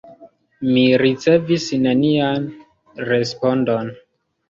Mi ricevis nenian respondon.